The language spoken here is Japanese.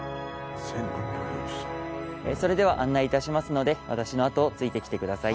案内いたしますので私の後をついてきてください。